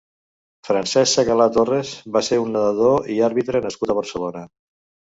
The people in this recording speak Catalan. Francesc Segalà Torres va ser un nedador i àrbitre nascut a Barcelona.